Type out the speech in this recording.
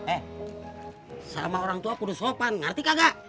eh sama orang tua aku udah sopan ngerti kagak